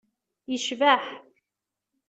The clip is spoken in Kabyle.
yecbeḥ.